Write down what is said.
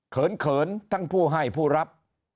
เขินเขินทั้งผู้ให้ผู้รับ